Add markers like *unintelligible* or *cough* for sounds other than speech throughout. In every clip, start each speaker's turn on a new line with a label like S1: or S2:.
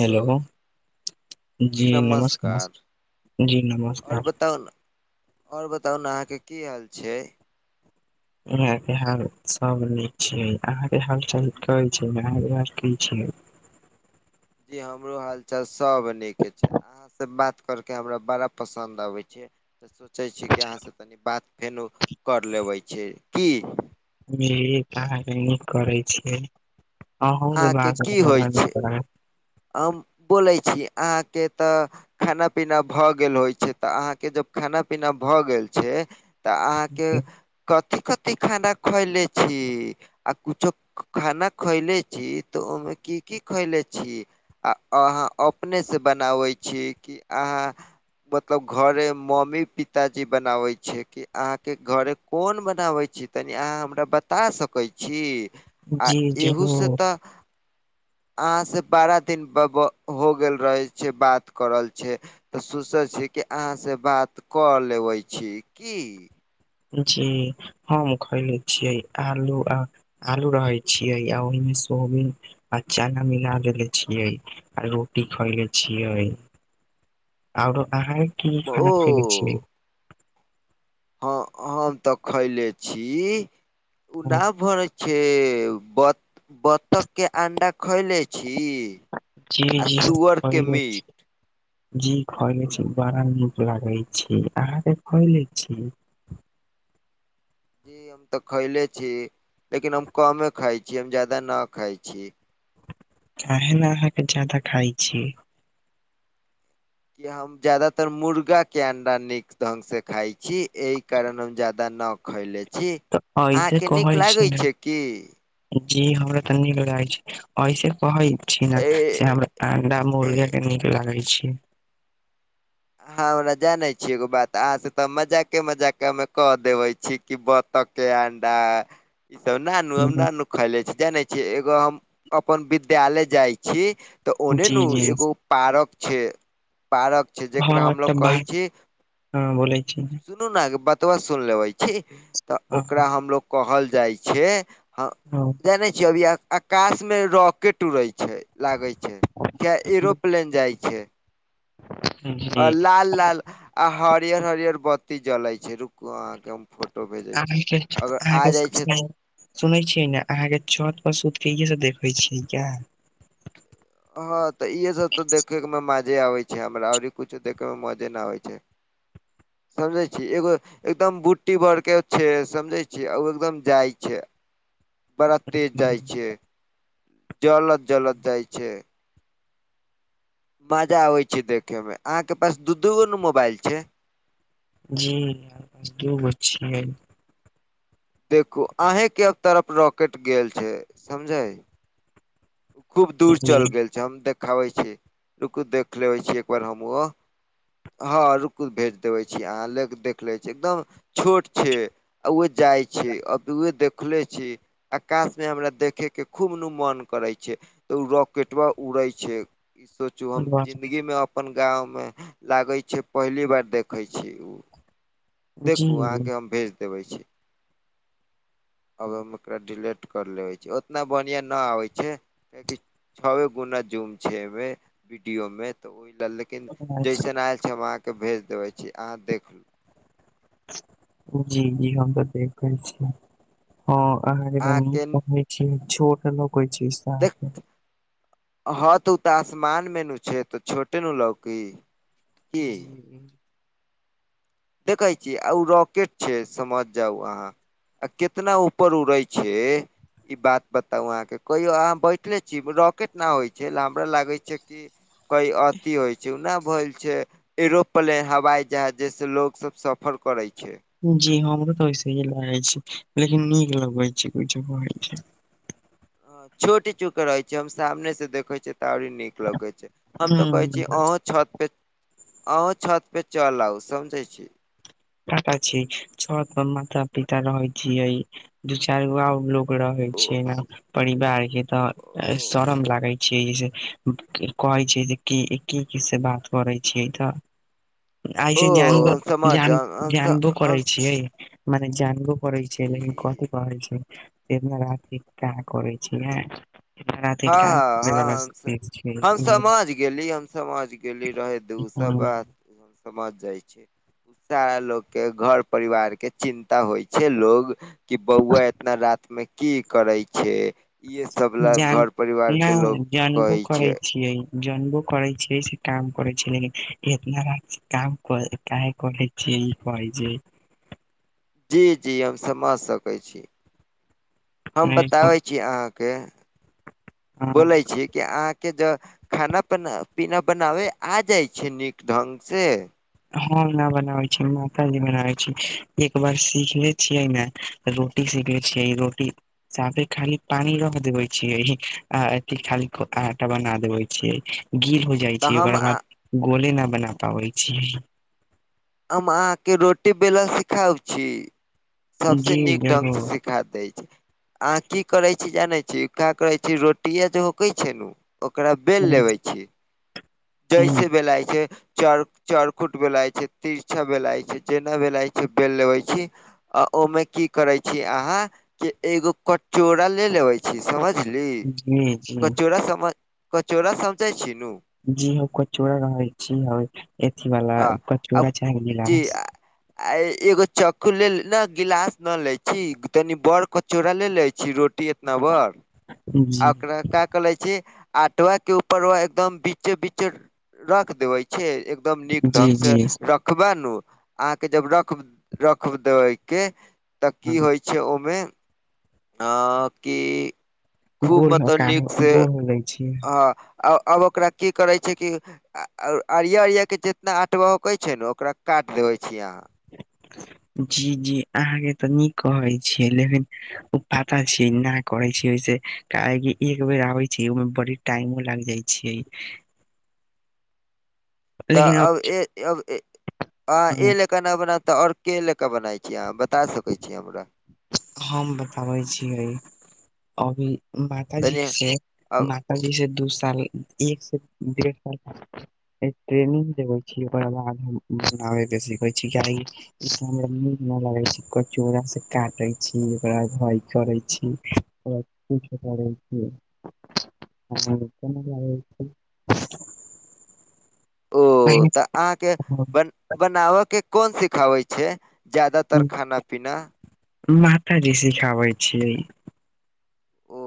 S1: Hello. जी नमस नमस जी नमस्कार।
S2: और बताउ ने अहाँ के की हाल छै।
S1: इहा के हाल सब निक छियै अहाँ के हाल छै अह ह की छै *unintelligible*
S2: जी हमरो हालचाल सब नीके छै। अहाँ से बात करके हमरा बड़ा पसन्द आबे छै। तऽ सोचै छी कि अहाँसँ तनि बात फेनू कर लेबै छीये की। अहाँके की होइ छै
S1: *unintelligible*
S2: हम बोलै छी अहाँके तऽ खाना पीना भऽ गेल होइ छै तऽ अहाँके जब खाना पीना भऽ गेल छै तऽ अहाँके
S1: छै।
S2: कथी कथी खाना खएले छी। आ कुछो खाना खएले छी तऽ ओयमे की की खैले छी। आ अहाँ अपने सँ बनाबै छी कि अहाँ मतलब घरे मम्मी पिताजी बनाबे छै कि अहाँ के घरे कोन बनाबे छै। तनि अहाँ हमरा बता सकै छी आ
S1: जी
S2: एहू से
S1: जरूर
S2: तऽ अहाँ से बड़ा दिन ब हो गेल रहे छै बात करल छै। तऽ सोचै छी कि अहाँ से बात कऽ लेबै छी की।
S1: जी हम खयले छियै आलू आ आलू रहै छियै आ ओहिमे सोयाबिन आ चना मिला देले छियै आ रोटी खयले छियै। आओरो अहाँ कि
S2: ओ
S1: खाना खइने छीये।
S2: ह हम तऽ खैले छी
S1: हाँ,
S2: *unintelligible* सेब बत बत्तख के अंडा खैले छै। छी
S1: जी
S2: आ
S1: हम
S2: सुअर के
S1: छी
S2: मीट।
S1: जी खैले छी बड़ा नीक लागे छी अहाँ के खैले छी।
S2: जी हम तऽ खैले छी लेकिन हम कमे खाय छी हम जादा न खाय छी।
S1: काहे ने अहाँके जादा खाय छिये।
S2: कि हम जदातर मुर्गा के अंडा नीक ढंग से खाय छी एहि कारण हम जादा न खैले छी
S1: तऽ ऐसे
S2: अहाँके नीक
S1: कहै छी
S2: लागै
S1: ने
S2: छै की।
S1: जी हमरा तऽ नीक लागै छै ऐसे कहै छी ने
S2: ए,
S1: से हमरा अंडा
S2: ए
S1: मुर्गा के नीक लागे छै।
S2: अहाँ हमरा जानै छी एगो बात अहाँ से तऽ मजाके मजाके मे कह देबै छी कि ब तक के अंडा ई सब नानु
S1: हुं
S2: नानू हम खैले छी जाने छी एगो हम अपन विद्यालय जाय छी तऽ ओने
S1: जी
S2: ने
S1: जी
S2: एगो पारक छै पारक छै जेकरा हमलोग कहे छी
S1: हँ बोलै छी।
S2: सुनू ने बतबा सुन लेबै छी तऽ
S1: हां
S2: ओकरा हमलोग कहल जाइ छै ह
S1: हँ।
S2: जाने छिय अभी आ आकाश मे रॉकेट टूरे छै लागे छै क एरोप्लेन जाइ छै।
S1: जी
S2: लाल लाल आ हरियर हरियर बत्ती जले छै रुकु अहाँके फोटो भेजै छी अगर आ जाइ छै
S1: *unintelligible* सुनै छियै ने अहाँ के छत पर सूत के इे सब देखे छियै किया।
S2: हँ तऽ इहे सब तऽ देखे में मजे आबे छै हमरा आओर कुछो देखे में मजे न आबे छै। समझे छी एगो एकदम बुटी बर के छै समझे छी ओ एकदम जाइ छै। बड़ा तेज जाइ छै जलद -जलद जाइ छै। मजा आबे छै देखे में अहाँ के पास दू दूगो ने मोबाइल छै।
S1: जी दुगो छीये।
S2: देखू अहें के तरफ रॉकेट गेल छै समझे। खूब दूर
S1: जी।
S2: चलि गेल छै हम देखाबै छी रुकु देख लेबै छी एकबार हम ओ। हँ रुकु भेज देबै छी अहाँ ल देख लै छी एकदम छोट छै। आ उए जाइ छी अ तऽ उ देखले छी। आकाश में हमरा देखे के खूब नू मन। करै छै तऽ ओ रॉकेटा उड़ै छै ई सोचु हम
S1: वाह जी
S2: जिन्दगी मे अब। अपन गांव मे लागे छै पहली बार देखे छी ओ। देखु अहाके हम भेज देबैय छी। आब हम ओकरा डिलेट कर लेबैय छी ओतना बढ़िया नै आबैय छैय। कियाकि छबे गुना जुम छैय एवे वीडीयोमे तऽ ओह डाले। लेकिन
S1: अच्छा,
S2: जैसन आयल छैय हम अहाके भेज देबेय छी अहां देखलू।
S1: जी -जी हम तऽ देखैय छी ह अहा जेना कनि। छैय छोट लोकैय छैय
S2: देख
S1: साफे।
S2: ह तऽ उ तऽ आसमानमे न छैय तऽ छोटे न लौकी। की
S1: *inaudible*
S2: देखै छीयै आ ओ रॉकेट छैय समझ जाउ अहां। आ केतना ऊपर उड़ैय छैय। कि बात बताउ आहा के कहियो आहा बैठले छी रॉकेट न होई छैय हमरा लागे छैय कि। कई अथी होइ छैय ओना भइल छैय एरोप्लेन हवाई जहाज जैसे लोकैय। सब सफर करैय छैय।
S1: जी हमरो तऽ वैसेय ही लागैय छी लेकिन नीक लगैय छैय कुछ कहैय छैय।
S2: छोट चूक रहेय छैय हम सामने से देखे छियै त आओरो नीक। लगैय छैय हम तऽ कहैय
S1: हम्म,
S2: छी अहु छत पे। अहु छत पे चलब समझैय छी।
S1: कतह छी छत पर माता- पिता रहैय छियै। दू चारि गो आरो लोक रहैय
S2: ओ
S1: छैय न। परिवार के तऽ शरम लागैय छैय जे कहैय छैय जे। की कि कि से बात करैय छीए त।
S2: *inaudible*
S1: आइ हि जानू
S2: हम समाज
S1: जान जानतो करैय छियै। मने जनबो करैय छैय
S2: जी
S1: लेकिन कथी कहै छैय। एम्हर आबिके का करैय छैय नै।
S2: ह- ह -ह हम
S1: छियै।
S2: हम समझ गेली हम समझ गेली। गेली रहेय दु ओ सब
S1: हम्म,
S2: बात समझ जाइ छी। सारा लोक के घर परिवार के चिन्ता होइ छैय लोग। कि बौआ एतना रातमे कि करेय छैय इहे सब ल घर। परिवार के लोग
S1: नौ जानबो
S2: कहै
S1: करैय
S2: छै
S1: छियै। जनबो करै छियै से काम करैय छिये लेकिन इतना रातके काम काहे करे। छैय इ पाइजे।
S2: जी जी हम समझ सकैय छी हम
S1: छै
S2: बताबैय। कि अहाके
S1: हँ
S2: बोलैय छी। के अहाके ज खाना पना पीना बनाबे आ जाइ छैय नीक ढंग से।
S1: हँ नै बनाबै छी माताजी बनाबैय छी एक बार सिखले छियै न। रोटी सीखने छियै रोटी। साफे खाली पानी रह देबेबब छियै खाली आटा बना देबे छियै। गील हो जाइ
S2: तऽ
S1: छैय
S2: हम
S1: ओकरा
S2: आ
S1: बाद गोले नै बना पाबैय छियै।
S2: हम अहा के रोटी बेलल सिखाव छी सबस
S1: जी
S2: नीक ढंग से
S1: जरूर
S2: सिख। सिखा दैय छी अहा की करैय छी जानै छी का करै छी रोटीये जे होकैय छैय नु। ओकरा बेल
S1: हूं,
S2: लेबैय छी
S1: हूं,
S2: जैसे बेलइ छैय चर। चोरखुट बेलय छैय तिरछा बेलय छैय जेना भेलाय छैय बेल लेबे छी। आ ओमे की करेय छी अहा के एगो कचोरा ले लेवे। छी समझली
S1: जी जी
S2: कचोड़ा समझ कचोड़ा समझैय छी नु।
S1: जी ह कचोड़ा रहैय छी ह अथी वाल
S2: हँ आब
S1: कचोड़ा चाहे
S2: जी
S1: गिलास।
S2: आ आ एगो चक्कू ल ने गिलास न ले छी तनि बड़ कचोड़ा ले ले छी रोट। रोटी एना बर। आ
S1: जी
S2: ओकरा का कले छीआटवा के ऊपर व एकदम बीचे बीचे रख देवै। छैय एकदम नीक
S1: जी
S2: ढंग
S1: जी
S2: स रख। रखबे नु अहाँ के जब रख रख देबै के त
S1: हँ,
S2: की होइ। छै ओमे। आ की।
S1: गोल गोल हो लै छी। *unintelligible*
S2: ह अब ओकरा की करै छै कि। अरिया अरयाके जितना आँटवा होकै छै ने ओकरा काटि देबै छी अहाँ।
S1: जी जी अहाँके तऽ नीक कहै छियै लेकिन। ओ पता। छै नहि करै छी ओहिस काहेकि एक बेर आबै छै ओहिमे बड़ी टाइमो लाग जाइ छियै।
S2: तऽ
S1: लेकिन अब
S2: आब
S1: हँ,
S2: ए ल। केना बनाता और के ले के बनाय छी अहाँ बता सकै छी हमरा।
S1: हम बताबै छीयै अभी माताजी
S2: तनि
S1: से
S2: अब
S1: अी से दू साल एक से डेढ़ साल। ट्रेनिंग देबे छी ओकर बाद हम बनाबे के सिखे छी कि। ई निक ना लगै छै को चूड़ सऽ काटै। छी ओकरा हाय करै छी ओ किछ करै छी। *unintelligible*
S2: ओ तऽ अहाँके
S1: छै।
S2: बन बनाब के कोन सिखाबै छै। जादातर खाना पीना।
S1: माता जी सिखाबै छियै।
S2: ओ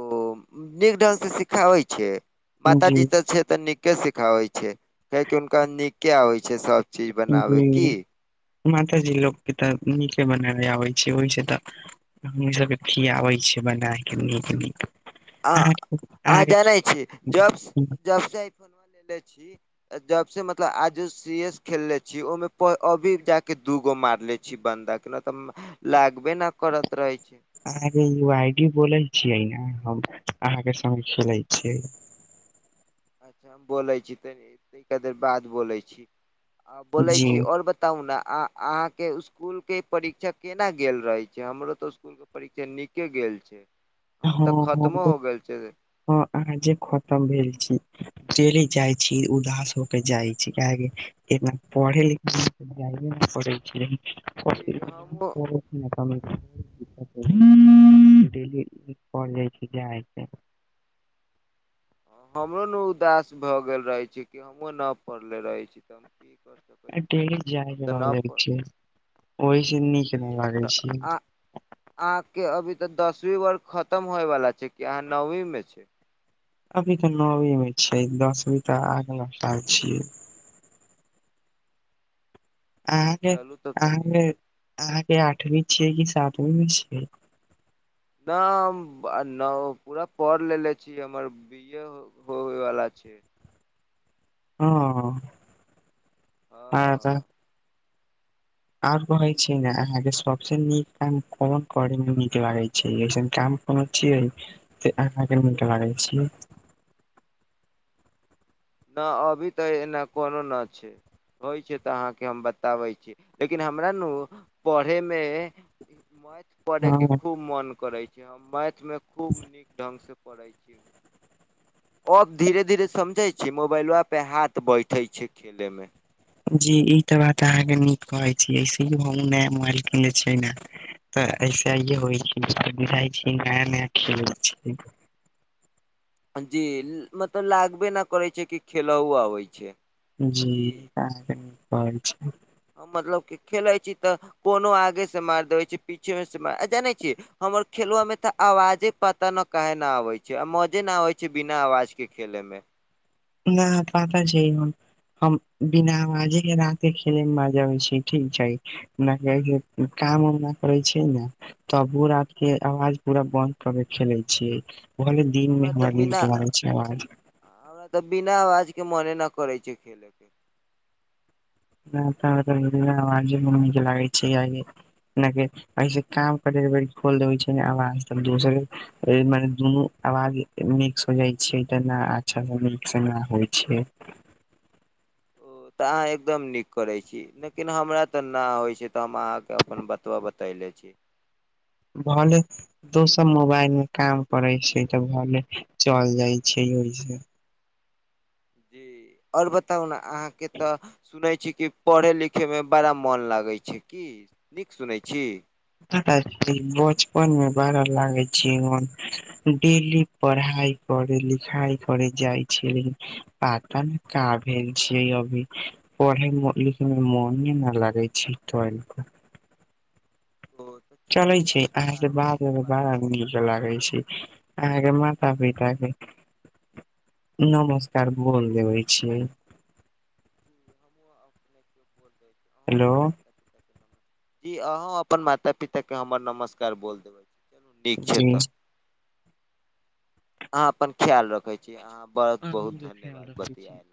S2: नीक ढंग से सिखाबै छियै माता जी त छै तऽ नीक। के सिखाबै छै कियाकि हुनका नीके आबै छै सब।
S1: ह माताजी लोकके तऽ नीके बनाबे आबै छै ओहिस तऽ। हमनी सबके खियाबै छियै बनाय के नीक नीक।
S2: आ
S1: अहाँके
S2: अहाँ
S1: अहाँके
S2: जाने छी जब जब से आइ फोन लेेने छी। जब से मतलब आजो सी एस खेलले छी ओहिमे अभी जाके दू गो मारले छी बन्दक। *unintelligible* लागबे न करत रहै छै।
S1: अहाँके उ आई डी बोलै छियै न हम अहाँ के संग खेलै छीयै।
S2: अच्छा हम बोलै छी तनी ई देखी कतेक बाद बोलै छी आ बोलै
S1: जी
S2: छी और बत तउ न आ अहाँके स्कूल के परिक्षा केना गेल रहै छै हमरो तऽ स्कूल परीक्षा नीके गेल छै, हमर तऽ खत्मो हो गेल छै।
S1: हां आजे खतम भेल छी। डेली जाइ छी उदास होके जाइ छी, कियाकी एतना पढ़े लिखे जाइए नै पड़े छै लेकिन
S2: जी
S1: पर इग्जाम
S2: हमहूँ
S1: पड़े छै नै *unintelligible* डेली ई पढ़ लै छी यैह एते।
S2: हमरो न उदास भऽ गेल रहै छीयै कि हमहुँ न पढ़ले रहै छी तऽ हम की कर सकै
S1: अ
S2: छियै
S1: डेली जाय
S2: अब
S1: के
S2: तऽ न
S1: रहलै
S2: पढ़
S1: छै, ओहि से नीक
S2: जी
S1: नै
S2: हम
S1: लागै छै।
S2: अहाँके अभी तऽ दसवीं वर्ग खतम होइवला छै कि अहाँ नौवीमे छीयै।
S1: अभी तऽ नौवी में छियै, दसवी तऽ अगला साल छियै।
S2: तऽ
S1: अहाँके,
S2: चलू तब तऽ
S1: अहाँके,
S2: नीके
S1: अहाँके आठवीं छियै कि सातवीं मे छियै?
S2: नै हम आ न हौ पूरा पढ़ लेले छीयै, हमर बी ए हो होवे वाला छै।
S1: हां अहां तै
S2: हँ
S1: आर कहै छीयै न, अहाँके सबसे नीक काम फोन करै मे नीक लागै छै, ऐसन काम कोनो छियै से अहाँके निक लागै छियै।
S2: न अभी तऽ एना कोनो न छै। होइ छै तऽ अहाँके हम बताबै छीयै, लेकिन हमरा नू पढ़े मे ई मैथ पढ़े के
S1: हँ
S2: खूब मोन करै छै, हम मैथ में खूब नीक ढंग से पढ़ै छीयै, अब धीरे-धीरे समझय छीयै, मोबाइलबा पे हाथ बैठे छै खेले में।
S1: जी ई तऽ बात अहाँके नीक कहै छीयै, इसीलिए हम्हुं नया मोबाइल किनले छियै नै। तऽ ऐसेइए होइ छै, बुझाइ छी नया-नया खेलै छीयै।
S2: हां जी मतलब लागबे नै करै छै कि खेलहु आबै छै।
S1: जी
S2: की
S1: अहा के कहे छी।
S2: मतलब कि खेले छी तऽ कोनो आगे से मार देबे छीये, पीछे मे से मा आ जानै छीयै हमर खेलवा में तऽ आवाजे पता न कहे न आबे छै आ मजे न आबे छै बिना आवाज के खेले में।
S1: *unintelligible* हम बिना आवाजे के रात के खेले मे मजा आवे छै ठीक छै। न कियाकी उम्म काम उम ना करै छियै नै तबो रात के आवाज पूरा बंन्द करके खेले छियै। भले दिनमे
S2: तऽ
S1: हमरा
S2: बिना
S1: निक लागे छै आवाज।
S2: हमरा तऽ बिना आवाज के मने नै करै छै खेले के।
S1: हमरा तै मतलब की बिना अवाजे के निक लागे छै कियाकि जना कि ऐसे काम करे घरी खोल देबै छीयै नै आवाज त दोसर के एमे दुनू आवाज मिक्स हो जाइ छै तऽ न अच्छा निक से न होइ छै।
S2: ओ तऽ अहाँ एकदम नीक करै छी, लेकिन हमरा तऽ न होइ छै तऽ हम अहाँके अपन बतबा ब तैले छियै।
S1: भले दोसर मोबाइल मे काम पड़े छै तऽ भले चल जाइ छै, ओहिसे
S2: जी और बताउ ने अहाँके तऽ सुनै छी कि पढ़ै लिखैमे बड़ा मोन लागै छै की नीक सुनैत छी।
S1: बचपन मे बड़ा लागै छै मन। डेली पढ़ाइ कर लिखा कर जाइ छलनि। पाता ने का भेलेल छियै अभी। पढ़ा लिखमे मन न लागै छै तऽ।
S2: आओर।
S1: चले छै अहाँके बादमे
S2: नीक
S1: बारद न के
S2: लगलै
S1: लागे छै। आगे मात
S2: जी
S1: पी त। नमस्कार
S2: जी
S1: गोर लगैछियै।
S2: जी हमहु अपने केर दे।
S1: हेलो।
S2: जी अहाँँ अपन माता पिताके हमर नमस्कार बोल देबै चलू नीक छै
S1: जी
S2: तऽ। अहाँ अपन ख्याल रखे छी अहाँ बहुत बहुत
S1: के ख्याल
S2: धन्यवाद
S1: रखै छी
S2: बतियाए ल।